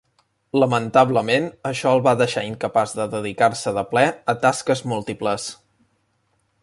Lamentablement això el va deixar incapaç de dedicar-se de ple a tasques múltiples.